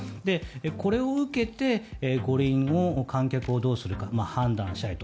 これを受けて五輪を観客をどうするか判断したいと。